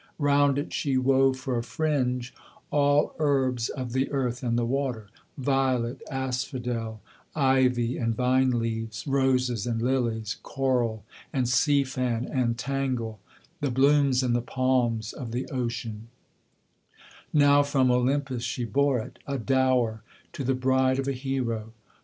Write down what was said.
Round it she wove for a fringe all herbs of the earth and the water, Violet, asphodel, ivy, and vine leaves, roses and lilies, Coral and sea fan and tangle, the blooms and the palms of the ocean: Now from Olympus she bore it, a dower to the bride of a hero.